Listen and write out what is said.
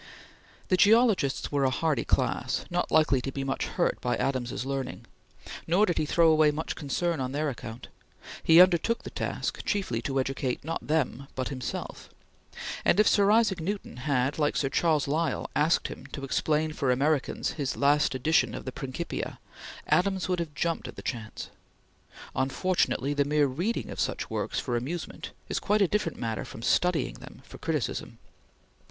The geologists were a hardy class, not likely to be much hurt by Adams's learning, nor did he throw away much concern on their account. He undertook the task chiefly to educate, not them, but himself, and if Sir Isaac Newton had, like Sir Charles Lyell, asked him to explain for Americans his last edition of the "Principia," Adams would have jumped at the chance. Unfortunately the mere reading such works for amusement is quite a different matter from studying them for criticism.